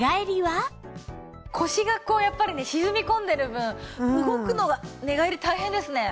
腰がこうやっぱりね沈み込んでる分動くのは寝返り大変ですね。